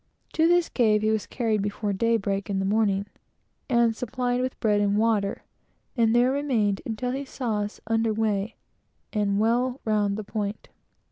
To this cave he was carried before daybreak in the morning, and supplied with bread and water, and there remained until he saw us under weigh and well round the point.